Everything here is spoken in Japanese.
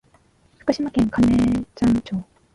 福島県金山町